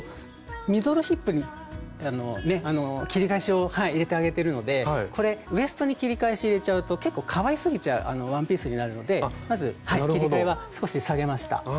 ミドルヒップに切りかえしを入れてあげてるのでこれウエストに切りかえし入れちゃうと結構かわいすぎちゃうワンピースになるのでまず切りかえは少し下げました。